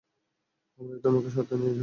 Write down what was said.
আমরা এই ধর্মকে সাথে নিয়ে যুদ্ধ করি।